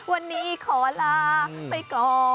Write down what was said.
วันนี้ขอลาไปก่อน